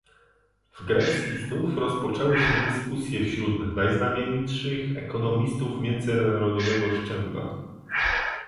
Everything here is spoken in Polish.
W Grecji znów rozpoczęły się dyskusje wśród najznamienitszych ekonomistów międzynarodowego szczebla